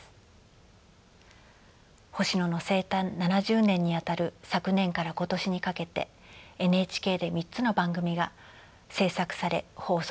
星野の生誕７０年にあたる昨年から今年にかけてＮＨＫで３つの番組が制作され放送されました。